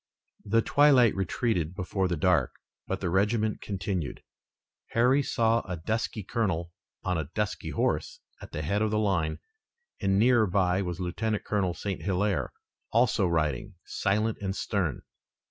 The twilight retreated before the dark, but the regiment continued. Harry saw a dusky colonel on a dusky horse at the head of the line, and nearer by was Lieutenant Colonel St. Hilaire, also riding, silent and stern.